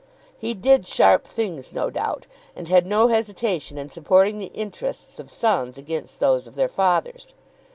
He did sharp things no doubt, and had no hesitation in supporting the interests of sons against those of their fathers.